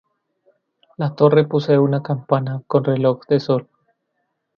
La torre posee una campana, con reloj de sol.